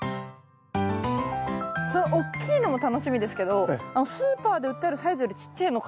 その大きいのも楽しみですけどスーパーで売ってるサイズよりちっちゃいのを見たことがないから。